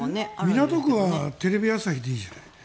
港区はテレビ朝日でいいんじゃない？